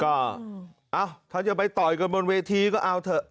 ก็เอ้าถ้าจะไปต่อยกันบนเวทีก็เอาเถอะ